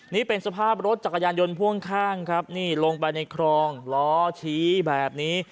นี่เป็นสภาพรถจักรยานยนต์พ่วงข้างครับนี่ลงไปในคลองล้อชี้แบบนี้